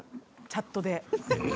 チャットで。